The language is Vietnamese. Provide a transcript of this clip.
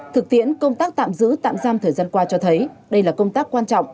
thực tiễn công tác tạm giữ tạm giam thời gian qua cho thấy đây là công tác quan trọng